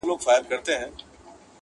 چي خبري دي ترخې لګېږي ډېري،